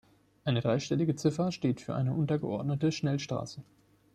Eine dreistellige Ziffer steht für eine untergeordnete Schnellstraße.